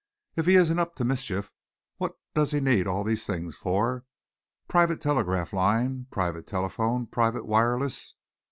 If he isn't up to mischief, what does he need all these things for private telegraph line, private telephone, private wireless?